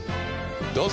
どうぞ！